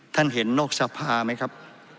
ท่านเห็นนอกสภาไหมครับ